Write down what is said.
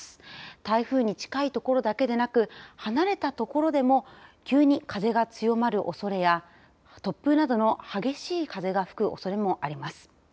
台風に近いところだけでなく離れたところでも急に風が強まるおそれや突風などの激しい風が吹くおそれもあります。